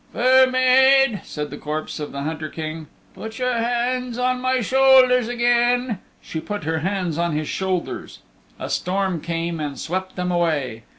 "Fair Maid," said the corpse of the Hunter King, "put your hands on my shoulders again." She put her hands on his shoulders. A storm came and swept them away.